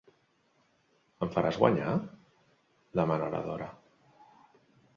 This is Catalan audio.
Em faràs guanyar? —demana la Dora.